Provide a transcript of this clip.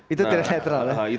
itu tidak netral ya